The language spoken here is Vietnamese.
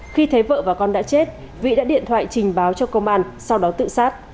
khi thấy vợ và con đã chết vĩ đã điện thoại trình báo cho công an sau đó tự sát